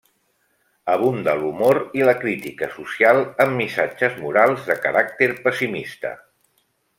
Abunda l'humor i la crítica social, amb missatges morals de caràcter pessimista.